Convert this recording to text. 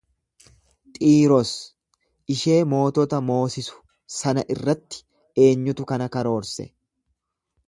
Xiiros ishee mootota moosisu sana irratti eenyutu kana karoorse?